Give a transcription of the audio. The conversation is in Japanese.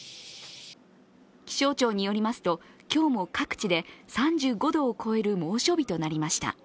気象庁によりますと今日も各地で３５度を超える猛暑日となりました。